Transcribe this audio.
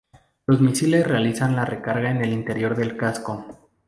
Los misiles realizan la recarga en el interior del casco.